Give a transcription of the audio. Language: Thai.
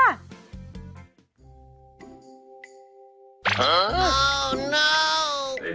เออ